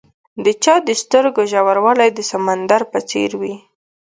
د چا د سترګو ژوروالی د سمندر په څېر وي.